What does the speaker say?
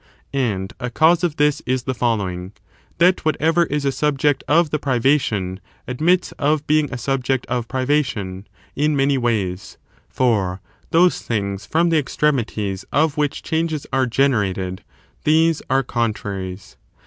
And a cause of this is the following : that whatever is a subject of the privation admits of being a subject of privation in many ways; for those things fi'om the extremities of which changes are generated, these are contraries.